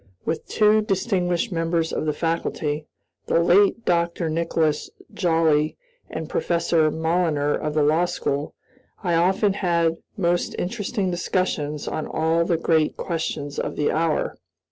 With two distinguished members of the faculty, the late Dr. Nicholas Joly and Professor Moliner of the law school, I often had most interesting discussions on all the great questions of the hour.